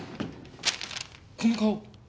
この顔。